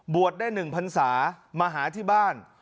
บวชได้๑พรรษามาหาที่บ้าน